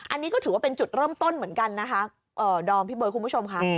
อันนี้ก็ถือว่าเป็นจุดเริ่มต้นเหมือนกันนะคะดอมพี่เบิร์ดคุณผู้ชมค่ะ